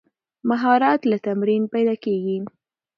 مهارت له تمرین پیدا کېږي.